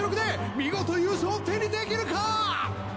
見事優勝を手にできるか！